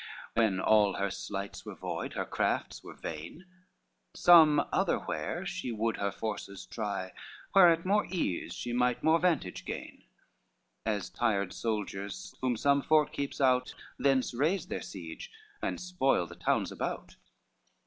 When all her sleights were void, her crafts were vain, Some other where she would her forces try, Where at more ease she might more vantage gain, As tired soldiers whom some fort keeps out, Thence raise their siege, and spoil the towns about.